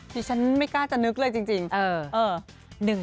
ดิฉันไม่กล้าจะนึกเลยจริง